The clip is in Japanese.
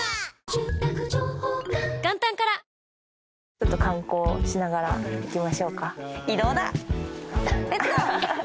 ちょっと観光しながら行きましょうか。